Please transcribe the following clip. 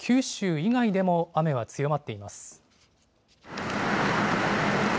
九州以外でも雨は強まっています。